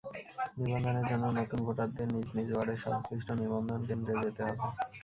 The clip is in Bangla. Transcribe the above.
নিবন্ধনের জন্য নতুন ভোটারদের নিজ নিজ ওয়ার্ডের সংশ্লিষ্ট নিবন্ধনকেন্দ্রে যেতে হবে।